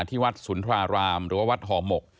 ที่วัดสุนทรารามหรือว่าวัดห่อหมก